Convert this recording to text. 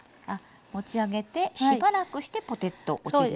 持ち上げてしばらくしてポテッと落ちるような。